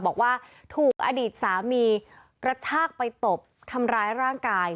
บอกว่าถูกอดีตสามีกระชากไปตบทำร้ายร่างกาย